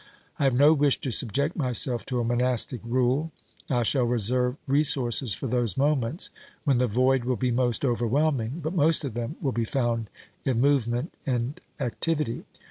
I have no wish to subject myself to a monastic rule. I shall reserve resources for those moments when the void will be most overwhelming, but most of them will be found in movement and activity.